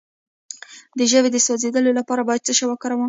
د ژبې د سوځیدو لپاره باید څه شی وکاروم؟